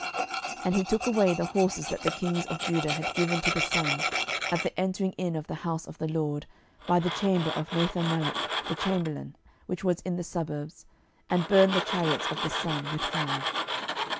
12:023:011 And he took away the horses that the kings of Judah had given to the sun, at the entering in of the house of the LORD, by the chamber of Nathanmelech the chamberlain, which was in the suburbs, and burned the chariots of the sun with fire.